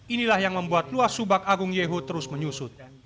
inilah yang membuat luas subak agung yeho terus menyusut